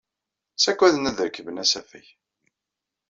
Ttagaden ad rekben asafag.